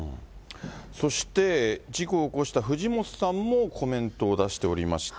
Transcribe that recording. そして、事故を起こした藤本さんもコメントを出しておりまして。